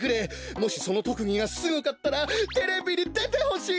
もしそのとくぎがすごかったらテレビにでてほしい！